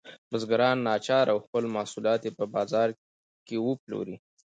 بزګران ناچاره وو خپل محصولات په بازار کې وپلوري.